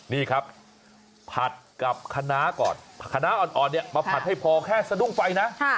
นี่ครับผัดกับขนาก่อนขนาอ่อนอ่อนเนี้ยมาผัดให้พอแค่สะดุ้งไฟนะค่ะ